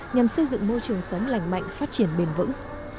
nhằm xây dựng môi trường sống lành mạnh phát triển bền vững